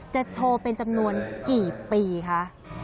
จะโชว์เป็นจำนวนกี่ปีคะ